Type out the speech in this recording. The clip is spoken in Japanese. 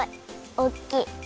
おっきい！